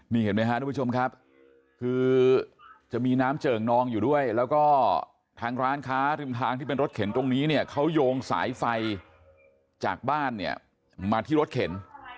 นี่เห็นไหมครับทุกผู้ชมครับคือจะมีน้ำเจิ่งนองอยู่ด้วยแล้วก็ทางร้านค้าริมทางที่เป็นรถเข็นตรงนี้เนี่ยเขาโยงสายไฟจากบ้านเนี่ยมาที่รถเข็น